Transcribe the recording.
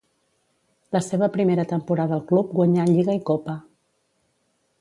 La seva primera temporada al club guanyà lliga i copa.